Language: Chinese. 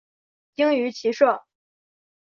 精于骑射。